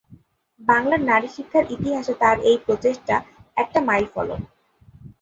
বাংলার নারী শিক্ষার ইতিহাসে তার এই প্রচেষ্টা একটা মাইলফলক।